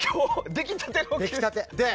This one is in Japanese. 出来たて。